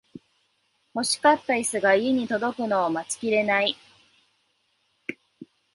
欲しかったイスが家に届くのを待ちきれない